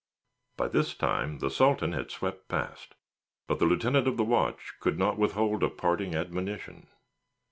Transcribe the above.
By this time the Sultan had swept past, but the lieutenant of the watch could not withhold a parting admonition.